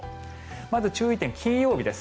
まず注意点、金曜日です。